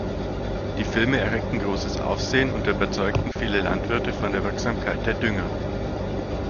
Die Filme erregten großes Aufsehen und überzeugten viele Landwirte von der Wirksamkeit der Dünger.